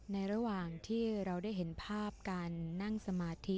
ระหว่างที่เราได้เห็นภาพการนั่งสมาธิ